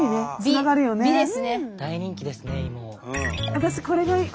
私これがいい。